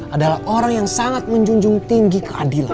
adalah orang yang sangat menjunjung tinggi keadilan